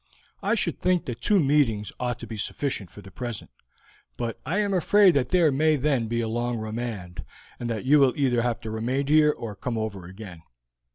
I should think that two meetings ought to be sufficient for the present, but I am afraid that there may then be a long remand, and that you will either have to remain here or to come over again."